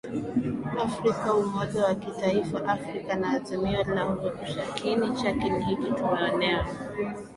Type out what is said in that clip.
Afrika umoja wa kitaifa Afrika na Azimio la ArushaKiini chake ni hiki Tumeonewa